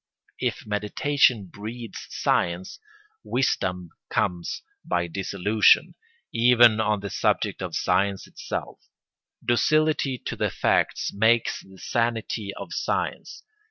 If meditation breeds science, wisdom comes by disillusion, even on the subject of science itself. Docility to the facts makes the sanity of science.